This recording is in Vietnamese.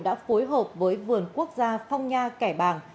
đã phối hợp với vườn quốc gia phong nha kẻ bàng